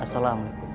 assalamualaikum wr wb